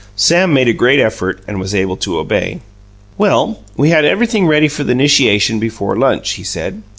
Sam made a great effort and was able to obey. "Well, we had everything ready for the 'nishiation before lunch," he said.